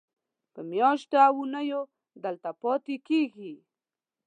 په میاشتو او اوونیو دلته پاتې کېږي.